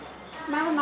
ママ。